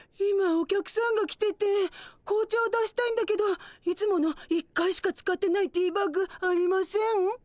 今お客さんが来てて紅茶を出したいんだけどいつもの１回しか使ってないティーバッグありません？